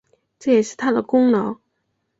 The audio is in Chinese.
这也是他的功劳